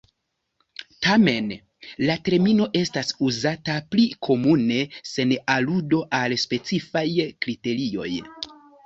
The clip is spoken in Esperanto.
Tamen la termino estas uzata pli komune sen aludo al specifaj kriterioj.